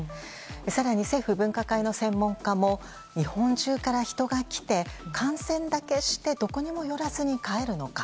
更に、政府分科会の専門家も日本中から人が来て観戦だけして、どこにも寄らずに帰るのか。